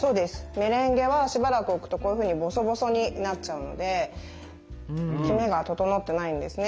メレンゲはしばらく置くとこういうふうにボソボソになっちゃうのできめが整ってないんですね。